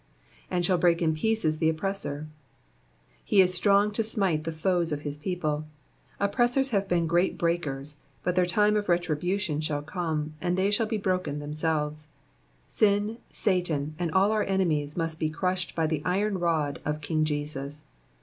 ''And shall break in pieces tJte oppressor,'''* He is strong to smite the foes of his people. Oppressors have been great breakers, but their time of retribution shall come, r and they shall be broken themselves. Sin, Satan, and all our enemies must be crushed by the iron rod of King Jesus.